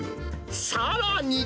さらに。